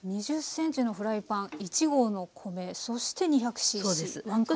２０ｃｍのフライパン１合の米そして２００ｃｃ１カップ。